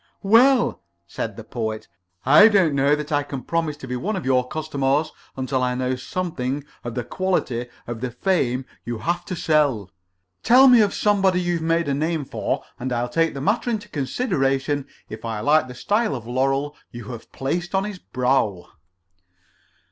"Well," said the Poet, "I don't know that I can promise to be one of your customers until I know something of the quality of the fame you have to sell. Tell me of somebody you've made a name for, and I'll take the matter into consideration if I like the style of laurel you have placed on his brow."